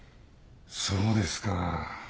そうですか。